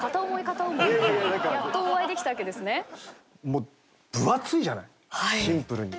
もう分厚いじゃないシンプルに。